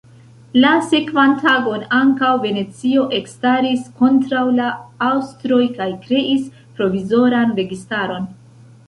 La sekvan tagon ankaŭ Venecio ekstaris kontraŭ la aŭstroj kaj kreis provizoran registaron.